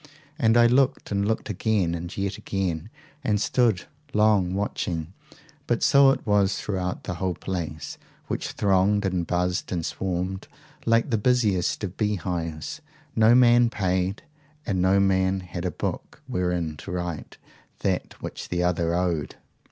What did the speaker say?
And I looked and looked again and yet again, and stood long watching but so it was throughout the whole place, which thronged and buzzed and swarmed like the busiest of bee hives no man paid, and no man had a book wherein to write that which the other owed!